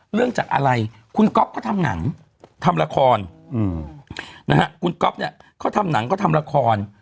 เรื่องจากอะไรคุณก๊อฟเขาทำหนังทำละครนะฮะคุณก๊อฟเนี่ยเขาทำหนังก็ทำละคร